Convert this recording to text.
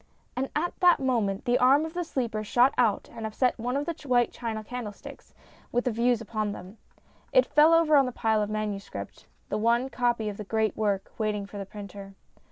..." And at that moment the arm of the sleeper shot out and upset one of the white china candlesticks with the views upon them. It fell over on the pile of manuscript the one copy of the great work, waiting for the printer.